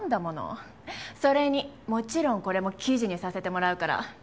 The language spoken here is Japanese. それにもちろんこれも記事にさせてもらうから。